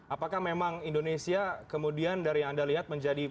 apakah memang indonesia kemudian dari yang anda lihat menjadi